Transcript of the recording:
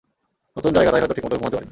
নতুন জায়গা তাই হয়তো ঠিকমতো ঘুমাতে পারিনি।